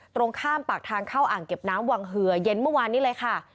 ตรงข้ามปากทางเข้าอ่างเก็บน้ำวังเหือเย็นเมื่อวานนี้เลยค่ะ